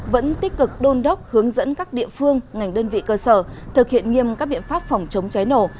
vẫn tích cực đôn đốc hướng dẫn các địa phương ngành đơn vị cơ sở thực hiện nghiêm các biện pháp phòng chống cháy nổ